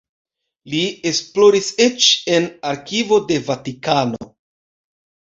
Li esploris eĉ en arkivo de Vatikano.